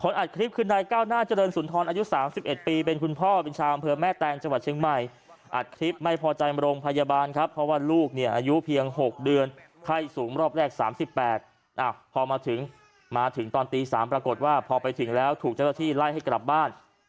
แล้วถูกเจ้าตัวที่ไล่ให้กลับบ้าน